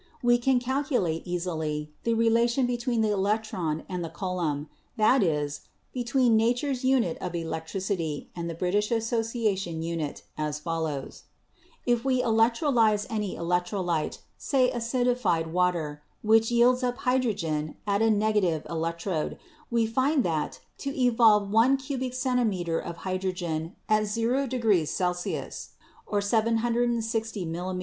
We can calculate easily the relation between the electron and the coulomb — that is, between Nature's unit of electricity and the British Asso ciation unit — as follows: " 'If we electrolyze any electrolyte, say acidified water, which yields up hydrogen at a negative electrode, we find that to evolve one cubic centimeter of hydrogen at o° C. and 760 mm.